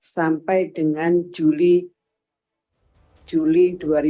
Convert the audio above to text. sampai dengan juli dua ribu dua puluh